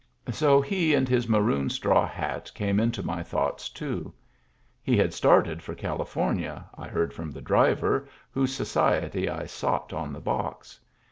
So he and his maroon straw hat came into my thoughts too. He had started for Cali fornia, I heard from the driver, whose society I sought on the box.